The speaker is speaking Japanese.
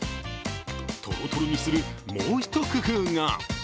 トロトロにするもう一工夫が。